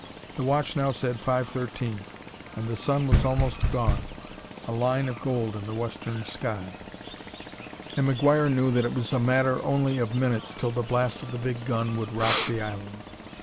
The watch now said five thirteen, and the sun was almost gone; a line of gold in the western sky; and McGuire knew that it was a matter only of minutes till the blast of the big gun would rock the island.